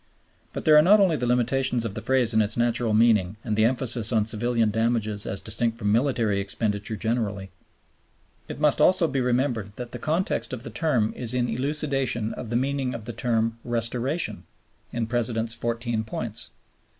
But there are not only the limitations of the phrase in its natural meaning and the emphasis on civilian damages as distinct from military expenditure generally; it must also be remembered that the context of the term is in elucidation of the meaning of the term "restoration" in the President's Fourteen Points.